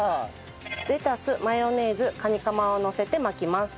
レタスマヨネーズカニカマをのせて巻きます。